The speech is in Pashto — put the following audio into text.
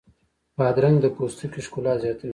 بادرنګ د پوستکي ښکلا زیاتوي.